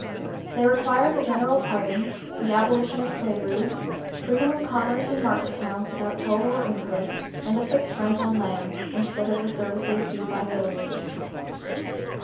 They required a general pardon, the abolition of slavery, freedom of commerce in market towns without toll or impost, and a fixed rent on lands, instead of the services due by villainage.